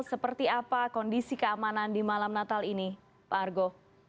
seperti apa kondisi keamanan di malam natal ini pak argo